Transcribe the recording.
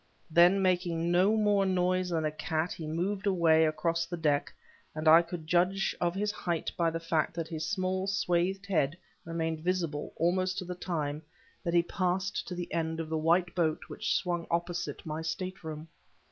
Then, making no more noise than a cat, he moved away across the deck, and I could judge of his height by the fact that his small, swathed head remained visible almost to the time that he passed to the end of the white boat which swung opposite my stateroom.